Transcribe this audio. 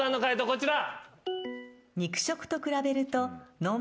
こちら。